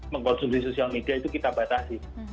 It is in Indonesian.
mengkonsumsi sosial media itu kita batasi